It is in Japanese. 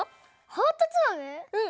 うん！